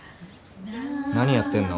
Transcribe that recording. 何やってんの？